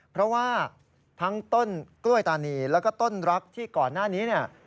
เพราะว่าทั้งต้นกล้วยตานีแล้วก็ต้นรักที่ก่อนหน้านี้เนี่ย